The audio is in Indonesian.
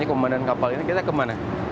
ini kemudian kapal ini kita ke mana